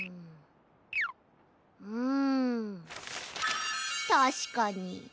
うんたしかに。